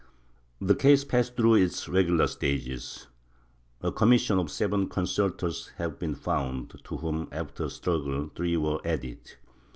The case passed through its regular stages. A commission of seven consultors had been found, to whom, after a struggle, three were added.